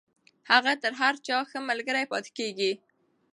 هغه تر هر چا ښه ملگرې پاتې کېږي.